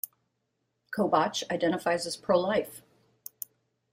Kobach identifies as pro-life.